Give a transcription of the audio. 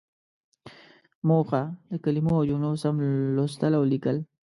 موخه: د کلمو او جملو سم لوستل او ليکل.